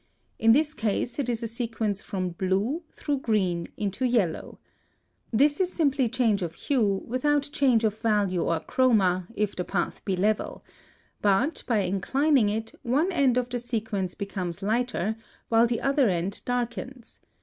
In this case it is a sequence from blue, through green into yellow. This is simply change of hue, without change of value or chroma if the path be level, but, by inclining it, one end of the sequence becomes lighter, while the other end darkens.